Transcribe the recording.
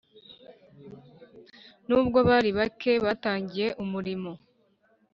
nubwo bari bake batangiye umurimo